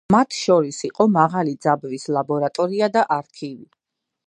მათ შორის იყო მაღალი ძაბვის ლაბორატორია და არქივი.